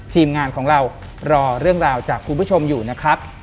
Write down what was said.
ทีมงานของเรารอเรื่องราวจากคุณผู้ชมอยู่นะครับ